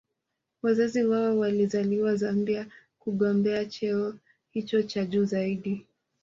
Wazazi wao walizaliwa Zambia kugombea cheo hicho cha juu zaidi